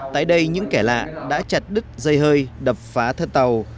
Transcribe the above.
tại đây những kẻ lạ đã chặt đứt dây hơi đập phá thân tàu